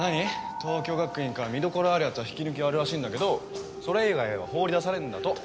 桃郷学院から見どころあるやつは引き抜きあるらしいんだけどそれ以外は放り出されんだと。